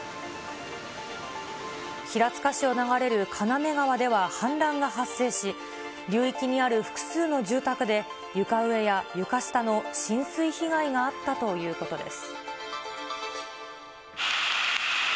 平塚市を流れる金目川では氾濫が発生し、流域にある複数の住宅で、床上や床下の浸水被害があったということです。